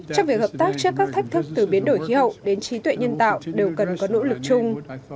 trong việc hợp tác trước các thách thức từ biến đổi khí hậu đến trí tuệ nhân tạo đều cần có nỗ lực chung